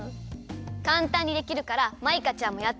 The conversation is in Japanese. かんたんにできるからマイカちゃんもやってみて！